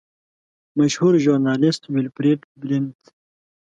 مشهور ژورنالیسټ ویلفریډ بلنټ.